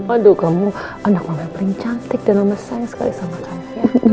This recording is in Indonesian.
aduh kamu anak mama yang paling cantik dan mama sayang sekali sama kamu ya